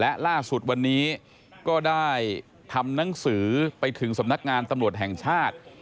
และล่าสุดวันนี้ก็ได้ทำหนังสือไปถึงสำนักงานตำรวจแห่งชาติ